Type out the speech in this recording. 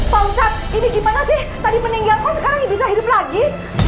pak ustadz ini gimana sih tadi peninggal kok sekarang ini bisa hidup lagi